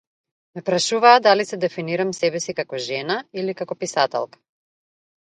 Ме прашуваа дали се дефинирам себе си како жена или како писателка.